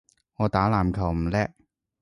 我打籃球唔叻